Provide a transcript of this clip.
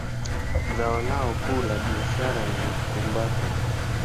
Zao lao kuu la biashara ni tumbaku.